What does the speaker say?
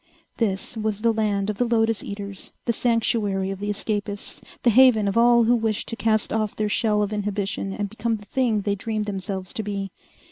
This was the land of the lotus eaters, the sanctuary of the escapists, the haven of all who wished to cast off their shell of inhibition and become the thing they dreamed themselves to be.